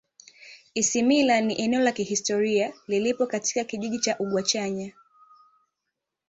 Isimila ni eneo la kihistoria lililopo katika kijiji cha Ugwachanya